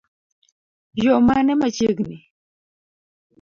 Yoo mane machiegni?